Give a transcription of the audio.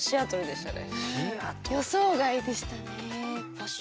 予想外でしたね。